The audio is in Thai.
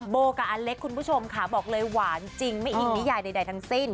โบกับอเล็กคุณผู้ชมค่ะบอกเลยหวานจริงไม่อิงนิยายใดทั้งสิ้น